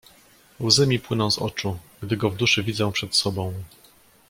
"Łzy mi płyną z oczu, gdy go w duszy widzę przed sobą."